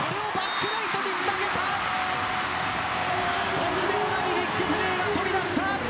とんでもないビッグプレーが飛び出した！